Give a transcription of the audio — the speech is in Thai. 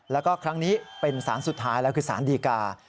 แล้วก็ครั้งนี้เป็นสารสุดท้ายแล้วคือสารดีกา